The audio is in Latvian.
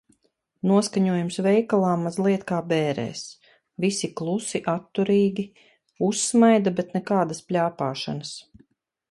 Noskaņojums veikalā mazliet kā bērēs. Visi klusi, atturīgi. Uzsmaida, bet nekādas pļāpāšanas.